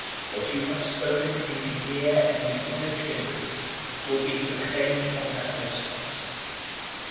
What you have spoken in the ear in the inner chambers will be proclaimed on the housetops.